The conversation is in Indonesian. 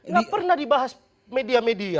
nggak pernah dibahas media media